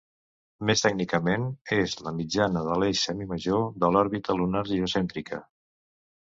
Més tècnicament, és la mitjana de l'eix semimajor de l'òrbita lunar geocèntrica.